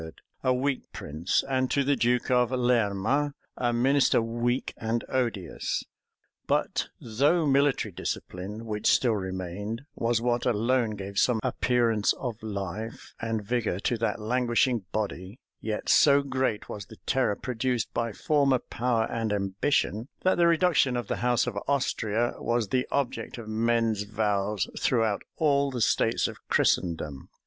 a weak prince, and to the duke of Lerma, a minister weak and odious. But though military discipline, which still remained, was what alone gave some appearance of life and vigor to that languishing body, yet so great was the terror produced by former power and ambition, that the reduction of the house of Austria was the object of men's vows throughout all the states of Christendom.